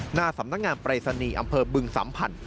หน้าสำนักงานปรายศนีย์อำเภอบึงสัมผัส